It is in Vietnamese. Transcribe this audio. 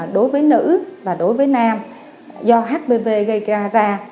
đối với nữ và đối với nam do hpv gây ra